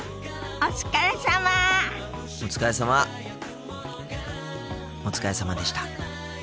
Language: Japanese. お疲れさまでした。